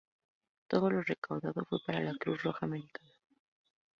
Todo lo recaudado fue para la Cruz Roja Americana.